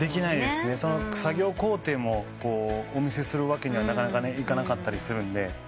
その作業工程もお見せするわけにはなかなかいかなかったりするんで。